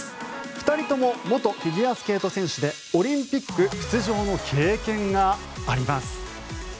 ２人とも元フィギュアスケート選手でオリンピック出場の経験があります。